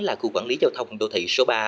là khu quản lý giao thông đô thị số ba